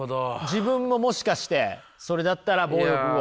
自分ももしかしてそれだったら暴力を。